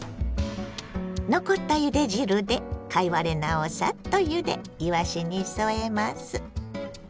残ったゆで汁で貝割れ菜をサッとゆでいわしに添えます。